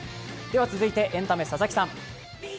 続いてエンタメ佐々木さん。